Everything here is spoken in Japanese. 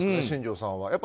新庄さんは。